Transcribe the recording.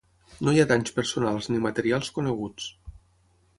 No hi ha danys personals ni materials coneguts.